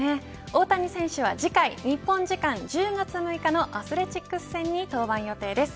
大谷選手は次回、日本時間１０月６日のアスレチックス戦に登板予定です。